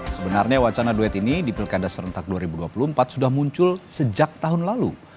sebenarnya wacana duet ini di pilkada serentak dua ribu dua puluh empat sudah muncul sejak tahun lalu